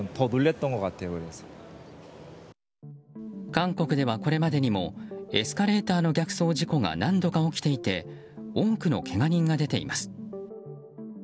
韓国では、これまでにもエスカレーターの逆走事故が何度か起きていて多くのけが人が出ています。